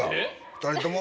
二人とも？